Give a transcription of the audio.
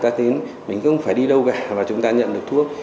chúng ta tin mình không phải đi đâu cả mà chúng ta nhận được thuốc